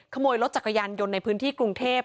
ขโมยรถจักรยานยนต์ในพื้นที่กรุงเทพ